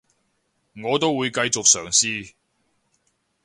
我都會繼續嘗試